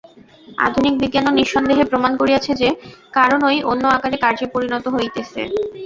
আধুনিক বিজ্ঞানও নিঃসন্দেহে প্রমাণ করিয়াছে যে, কারণই অন্য আকারে কার্যে পরিণত হইতেছে।